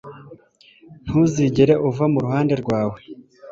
ntuzigere uva mu ruhande rwawe